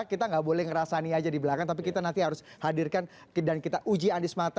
kita nggak boleh ngerasani aja di belakang tapi kita nanti harus hadirkan dan kita uji anies mata